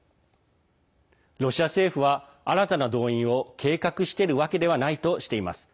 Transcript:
ロシア政府は新たな動員を計画しているわけではないとしています。